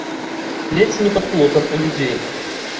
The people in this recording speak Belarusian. Ледзь не пад плотам у людзей.